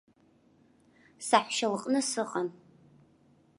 Саҳәшьа лҟны сыҟан.